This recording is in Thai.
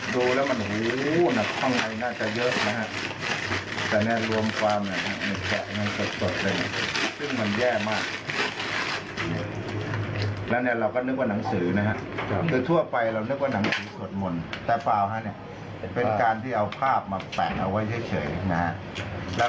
ได้มา๑ขวดสำลี๑อันสำลีนี่ก็ประมาณ๕บาทอันนี้ซองหนึ่งก็กี่บาทครับ